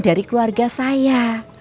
dari keluarga saya